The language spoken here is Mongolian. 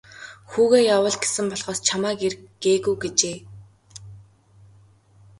Хүүгээ явуул гэсэн болохоос чамайг ир гээгүй гэжээ.